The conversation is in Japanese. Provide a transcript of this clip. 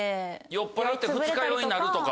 酔っぱらって二日酔いになるとか。